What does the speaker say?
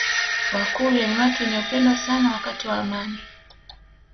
Wakurya ni watu wenye upendo sana wakati wa amani